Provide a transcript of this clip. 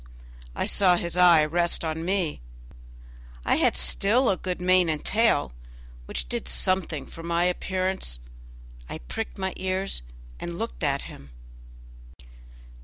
I saw his eye rest on me; I had still a good mane and tail, which did something for my appearance. I pricked my ears and looked at him.